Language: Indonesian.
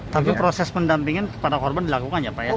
tapi proses pendampingan kepada korban dilakukan ya pak ya